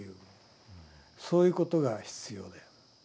そういうことが必要だよ。